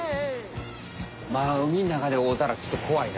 まあ海んなかでおうたらちょっとこわいな。